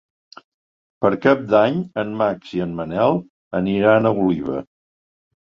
Per Cap d'Any en Max i en Manel aniran a Oliva.